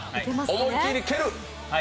思いきり蹴る。